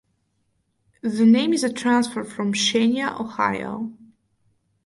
The name is a transfer from Xenia, Ohio.